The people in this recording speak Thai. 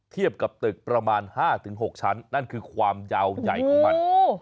กับตึกประมาณ๕๖ชั้นนั่นคือความยาวใหญ่ของมัน